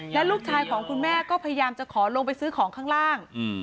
และลูกชายของคุณแม่ก็พยายามจะขอลงไปซื้อของข้างล่าง